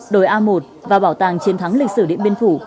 đồi a một và bảo tàng chiến thắng lịch sử điện biên phủ